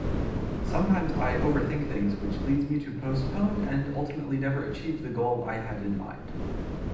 Sometimes I overthink things which leads me to postpone and ultimately never achieve the goal I had in mind.